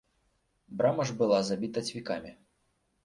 Брама ж была забіта цвікамі.